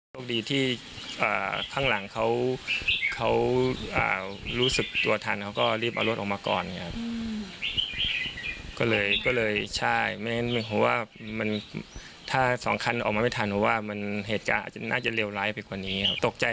โชคดีที่ข้างหลังเขารู้สึกตัวทันเขาก็รีบเอารถออกมาก่อนก็เลยใช่